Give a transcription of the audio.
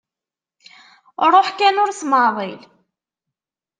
Ruḥ kan ur smeεḍil.